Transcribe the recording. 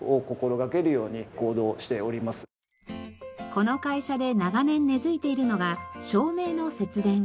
この会社で長年根付いているのが照明の節電。